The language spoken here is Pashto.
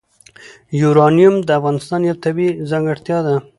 یورانیم د افغانستان یوه طبیعي ځانګړتیا ده.